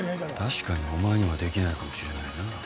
確かにお前にはできないかもしれないな。